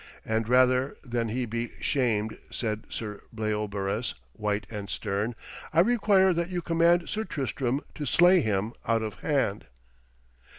And rather than he be shamed,' said Sir Bleobaris, white and stern, 'I require that you command Sir Tristram to slay him out of hand!'